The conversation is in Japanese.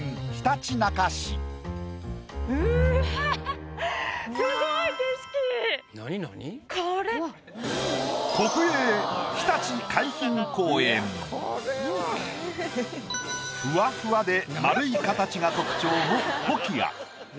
うわふわふわで丸い形が特徴のコキア